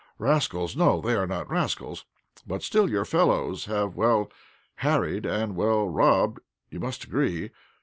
"Rascals, no they are not rascals; but still your fellows have well harried and well robbed, you must agree.